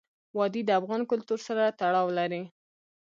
وادي د افغان کلتور سره تړاو لري.